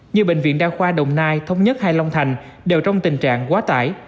như bệnh viện đa khoa đồng nai thống nhất hay long thành đều trong tình trạng quá tải